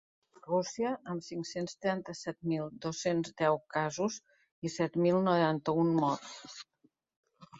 Rússia, amb cinc-cents trenta-set mil dos-cents deu casos i set mil noranta-un morts.